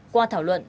qua thảo luận